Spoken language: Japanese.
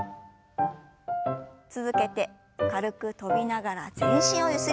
続けて軽く跳びながら全身をゆすります。